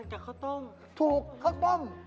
ทานกับข้าวต้ม